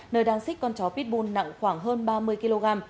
nơi đang xích con chó pitbull nặng khoảng hơn ba mươi kg